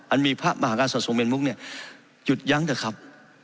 อันมีพระมหากาศสงค์เบียนมุกหยุดยั้งเดี๋ยวครับ